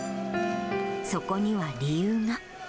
そこには理由が。